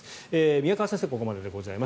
宮川先生はここまででございます。